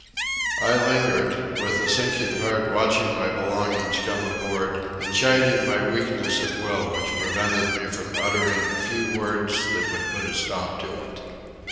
I lingered, with a sinking heart watching my belongings come aboard and chiding my weakness of will which prevented me from uttering the few words that would put a stop to it.